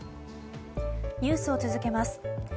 ニュースを続けます。